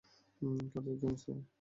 কাজে যান, স্যার।